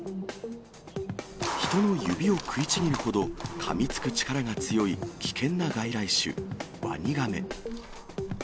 人の指を食いちぎるほどかみつく力が強い危険な外来種、ワニガメ。